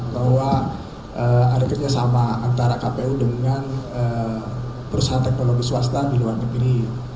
bahwa ada kerjasama antara kpu dengan perusahaan teknologi swasta di luar negeri